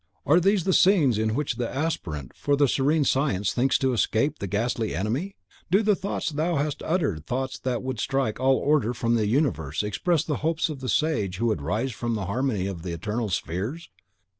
Are these the scenes in which the Aspirant for the Serene Science thinks to escape the Ghastly Enemy? Do the thoughts thou hast uttered thoughts that would strike all order from the universe express the hopes of the sage who would rise to the Harmony of the Eternal Spheres?